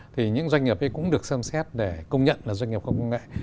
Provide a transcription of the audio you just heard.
thì những doanh nghiệp cũng được xem xét để công nhận là doanh nghiệp khoa học và công nghệ